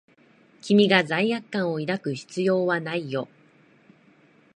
君が罪悪感を抱く必要はないよ。